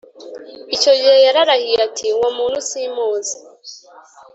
icyo gihe yararahiye ati, “uwo muntu simuzi